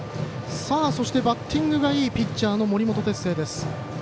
そしてバッティングがいいピッチャーの森本哲星です。